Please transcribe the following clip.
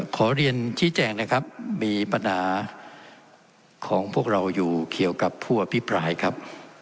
ขอเรียนชี้แจงนะครับมีปัญหาของพวกเราอยู่เกี่ยวกับผู้อภิปรายครับ